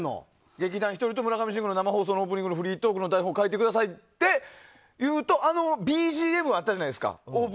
劇団ひとりと村上信五のオープニングのフリートークの台本を書いてくださいっていうとあのＢＧＭあったじゃないですか。